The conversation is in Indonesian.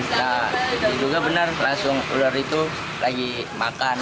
nah diduga benar langsung keluar itu lagi makan